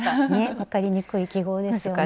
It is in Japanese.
分かりにくい記号ですよね。